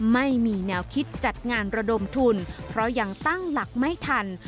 ไม่มีแนวคิดจัดงานระดมทุนเพราะยังตั้งหลักไม่ทัน